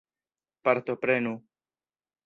Partoprenu!